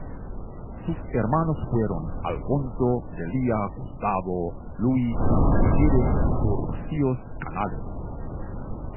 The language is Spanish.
Sus hermanos fueron: Alfonso, Delia, Gustavo, Luis y Mercedes Turcios Canelas.